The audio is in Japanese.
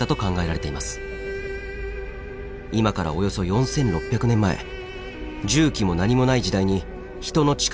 今からおよそ４６００年前重機も何もない時代に人の力だけでつくられました。